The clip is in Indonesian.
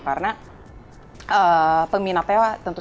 karena peminatnya tentu saja sudah makin banyak